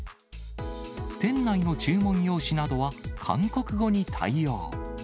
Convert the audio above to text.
店内の注文用紙などは韓国語に対応。